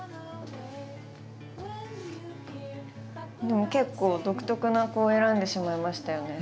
でも結構独特な子を選んでしまいましたよね。